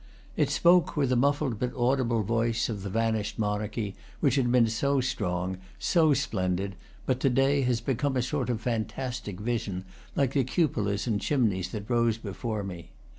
It spoke, with a muffled but audible voice, of the vanished monarchy, which had been so strong, so splendid, but to day has be come a sort of fantastic vision, like the cupolas and chimneys that rose before me.